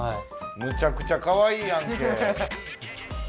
むちゃくちゃかわいいやんけ。